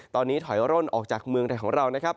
ตอนนี้ถอยร่นออกจากเมืองไทยของเรานะครับ